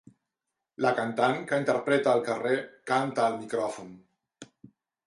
La cantant que interpreta al carrer canta al micròfon.